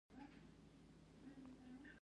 دوی د راکړې ورکړې ښه مرکز درلود.